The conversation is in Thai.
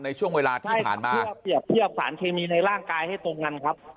ในช่วงเวลาที่ผ่านมาเพื่อเปรียบเทียบสารเคมีในร่างกายให้ตรงกันครับ